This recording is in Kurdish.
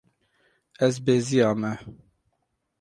Ez beziyame.